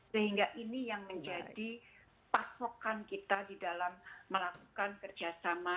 sehingga ini yang menjadi pasokan kita di dalam melakukan kerjasama